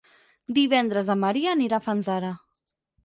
Divendres en Maria anirà a Fanzara.